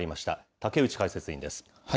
竹内解説委員です。